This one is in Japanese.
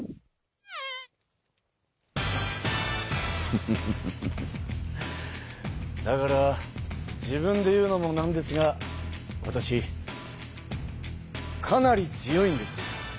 フフフフフだから自分で言うのもなんですがわたしかなり強いんです。